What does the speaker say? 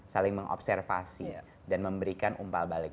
saling mengobservasi dan memberikan umpal balik